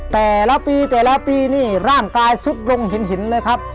แต่ละปีนี่ร่างกายสุดลงหินเลยครับ